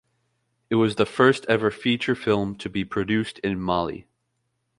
It was the first ever feature film to be produced in Mali.